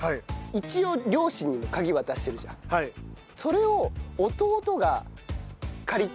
一応両親に鍵渡してるじゃん。それを。